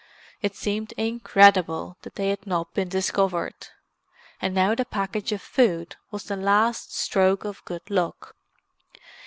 It seemed incredible that they had not been discovered; and now the package of food was the last stroke of good luck.